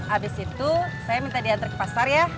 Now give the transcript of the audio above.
abis itu saya minta diantar ke pasar ya